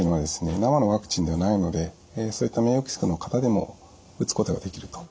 生のワクチンではないのでそういった免疫抑制の方でも打つことができると。